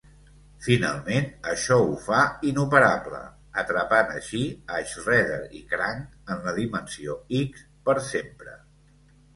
Finalment això ho fa inoperable, atrapant així a Shredder i Krang en la Dimensió X per sempre.